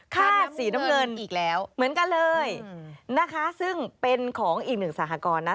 ค่าสีน้ำเงินเหมือนกันเลยนะคะซึ่งเป็นของอีก๑สหกรนะ